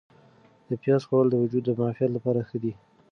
د پیاز خوړل د وجود د معافیت لپاره ښه دي.